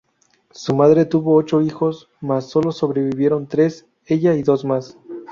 Su madre tuvo ocho hijos, mas solo sobrevivieron tres: ella y dos más.